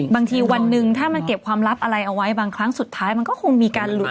บางทีวันหนึ่งถ้ามันเก็บความลับอะไรเอาไว้บางครั้งสุดท้ายมันก็คงมีการหลุด